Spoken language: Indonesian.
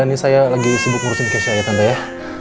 ini saya lagi sibuk urusin kece aja tante ya